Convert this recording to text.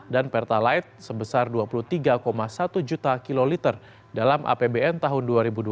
dan pertalite sebesar dua puluh tiga satu juta kiloliter dalam apbn tahun dua ribu dua puluh dua